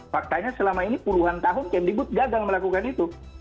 faktanya selama ini puluhan tahun kemdikbud gagal melakukan itu